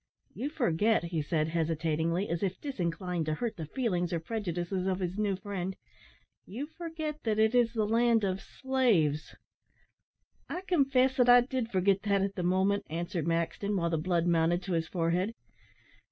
"You forget," he said, hesitatingly, as if disinclined to hurt the feelings or prejudices of his new friend, "you forget that it is the land of slaves!" "I confess that I did forget that at the moment," answered Maxton, while the blood mounted to his forehead.